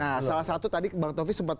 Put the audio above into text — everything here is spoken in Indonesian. nah salah satu tadi bang taufik sempat